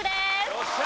よっしゃ！